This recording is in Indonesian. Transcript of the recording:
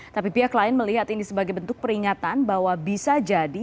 tapi pihak lain melihat ini sebagai bentuk peringatan bahwa bisa jadi